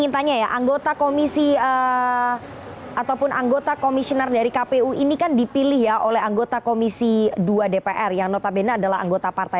saya ingin tanya ya anggota komisi ataupun anggota komisioner dari kpu ini kan dipilih ya oleh anggota komisi dua dpr yang notabene adalah anggota partai